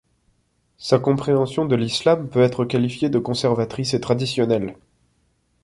Sa compréhension de l'islam peut être qualifiée de conservatrice et traditionnelle.